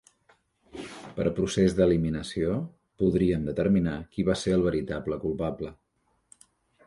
Per procés d'eliminació, podríem determinar qui va ser el veritable culpable.